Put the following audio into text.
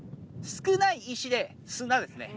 少ない石で砂ですね。